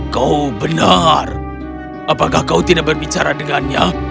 kau benar apakah kau tidak berbicara dengannya